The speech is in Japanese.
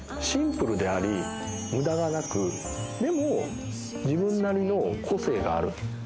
シンプルであり無駄がなくでも自分なりの個性がある。